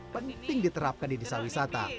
penting diterapkan di desa wisata